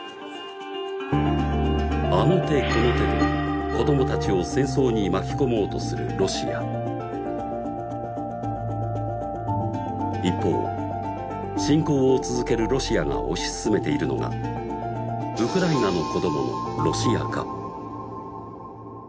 あの手この手で子どもたちを戦争に巻き込もうとするロシア一方侵攻を続けるロシアが推し進めているのがウクライナの子どものロシア化